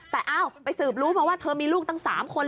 แต่อ้าวไปสืบรู้มาว่าเธอมีลูกตั้ง๓คน